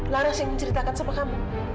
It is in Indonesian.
laras yang menceritakan sama kamu